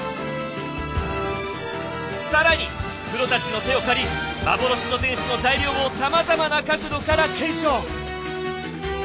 更にプロたちの手を借り幻の天守の材料をさまざまな角度から検証。